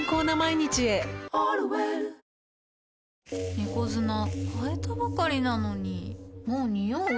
猫砂替えたばかりなのにもうニオう？